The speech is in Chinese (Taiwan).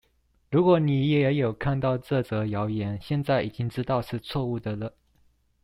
如果你也有看過這則謠言，現在已經知道是錯誤的了